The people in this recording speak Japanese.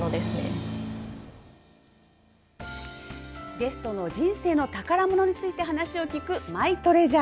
ゲストの人生の宝ものについて話を聞くマイトレジャー。